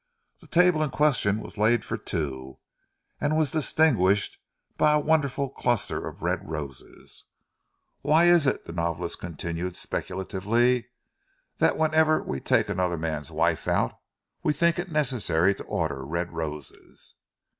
The table in question was laid for two and was distinguished by a wonderful cluster of red roses. "Why is it," the novelist continued speculatively, "that, whenever we take another man's wife out, we think it necessary to order red roses?"